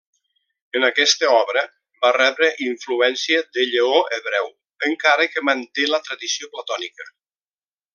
En aquesta obra, va rebre influència de Lleó Hebreu, encara que manté la tradició platònica.